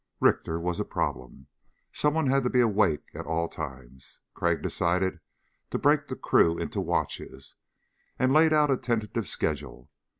Richter was a problem. Someone had to be awake at all times. Crag decided to break the crew into watches, and laid out a tentative schedule.